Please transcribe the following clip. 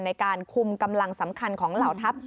ในการคุมกำลังสำคัญของเหล่าทัพ